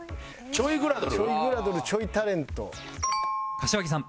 柏木さん